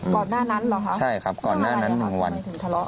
ก่อนหน้านั้นเหรอครับทำไมครับทำไมถึงทะเลาะ